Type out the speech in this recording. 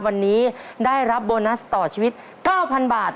วันนี้ได้รับโบนัสต่อชีวิต๙๐๐บาท